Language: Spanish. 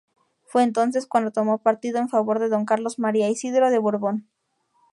Fue entonces cuando tomó partido en favor de don Carlos María Isidro de Borbón.